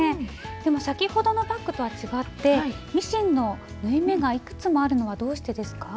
でも先ほどのバッグとは違ってミシンの縫い目がいくつもあるのはどうしてですか？